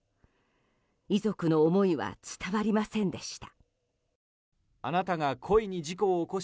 遺族の思いは伝わりませんでした。